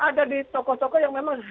ada di tokoh tokoh yang memang